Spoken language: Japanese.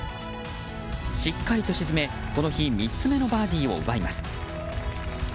しっかりと沈め、この日３つ目のバーディーを奪います。